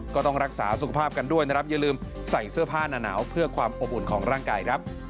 ก็ต้องรักษาสุขภาพกันด้วยนะครับอย่าลืมใส่เสื้อผ้าหนาวเพื่อความอบอุ่นของร่างกายครับ